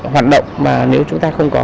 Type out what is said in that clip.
hoạt động mà nếu chúng ta không có